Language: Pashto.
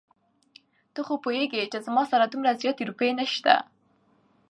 ته خو پوهېږې چې زما سره دومره زياتې روپۍ نشته.